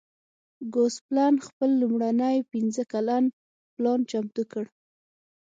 ګوسپلن خپل لومړنی پنځه کلن پلان چمتو کړ.